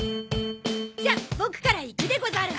じゃボクから行くでござる。